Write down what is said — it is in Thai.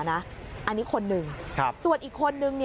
อันนี้คนหนึ่งส่วนอีกคนนึง